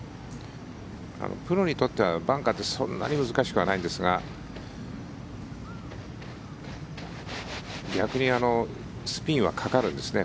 プロにとってはバンカーってそんなに難しくはないんですが逆にスピンはかかるんですね